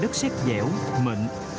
đất xét dẻo mịn